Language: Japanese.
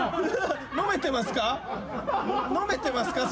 飲めてますか？